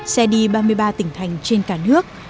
xe đi ba mươi ba tỉnh thành trên cả nước